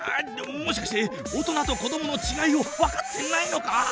もしかして大人と子どものちがいをわかってないのか？